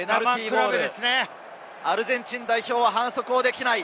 アルゼンチン代表は反則できない。